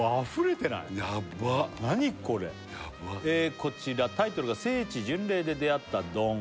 ヤバヤバ何これこちらタイトルが「聖地巡礼で出会った丼」